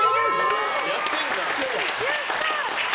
やったー！